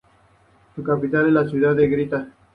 Su capital es la ciudad de La Grita.